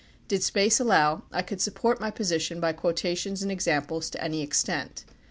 Did space allow, I could support my position by quotations and example to any extent.